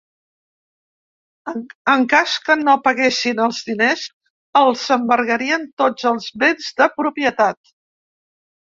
En cas que no paguessin els diners, els embargarien tots els béns de propietat.